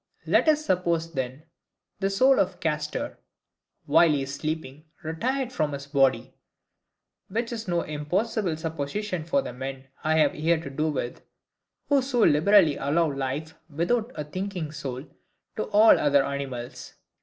Let us suppose, then, the soul of Castor, while he is sleeping, retired from his body; which is no impossible supposition for the men I have here to do with, who so liberally allow life, without a thinking soul, to all other animals.